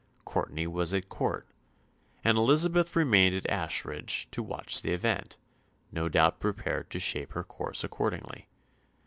Courtenay was at Court, and Elizabeth remained at Ashridge to watch the event, no doubt prepared to shape her course accordingly.